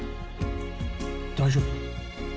大丈夫？